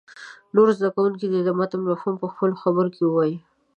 نور زده کوونکي دې د متن مفهوم په خپلو خبرو کې ووایي.